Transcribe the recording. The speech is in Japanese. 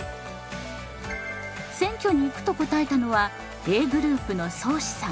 選挙に行くと答えたのはＡグループのそうしさん